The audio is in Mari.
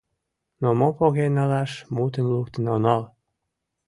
— Но ме поген налаш мутым луктын онал.